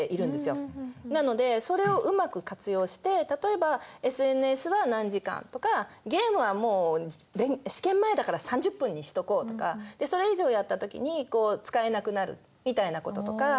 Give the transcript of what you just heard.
なのでそれをうまく活用して例えばＳＮＳは何時間とかゲームはもう試験前だから３０分にしとこうとかそれ以上やった時に使えなくなるみたいなこととか。